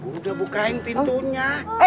bu udah bukain pintunya